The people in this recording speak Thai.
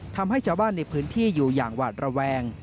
ทำให้ชาวบ้านในพื้นที่อยู่อย่างหวาดระแวง